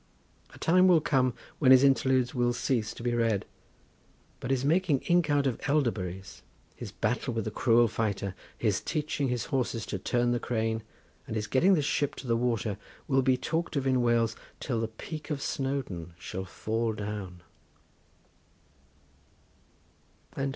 A time will come when his interludes will cease to be read, but his making ink out of elderberries, his battle with the "cruel fighter," his teaching his horses to turn the crane, and his getting the ship to the water, will be talked of in Wales till the peak of Snowdon shall fall down.